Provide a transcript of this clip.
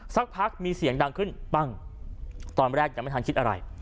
สักพักมีเสียงดังขึ้นปั้งตอนแรกยังไม่ทันคิดอะไร